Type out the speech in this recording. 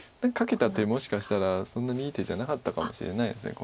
カケた手もしかしたらそんなにいい手じゃなかったかもしれないです